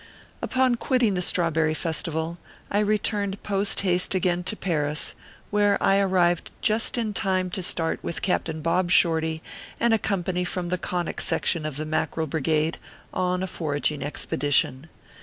Upon quitting the Strawberry Festival I returned post haste again to Paris, where I arrived just in time to start with Captain Bob Shorty and a company from the Conic Section of the Mackerel Brigade on a forag ing expedition.